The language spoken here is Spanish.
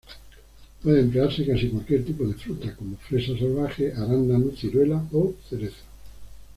Puede emplearse casi cualquier tipo de fruta, como fresa salvaje, arándano, ciruela o cereza.